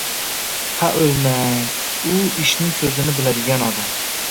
Ha, o‘lmang, u «ishning ko‘zini biladigan odam»!